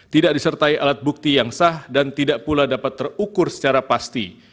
tidak disertai alat bukti yang sah dan tidak pula dapat terukur secara pasti